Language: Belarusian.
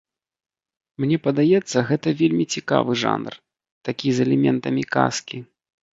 Мне падаецца, гэта вельмі цікавы жанр, такі з элементамі казкі.